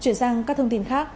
chuyển sang các thông tin khác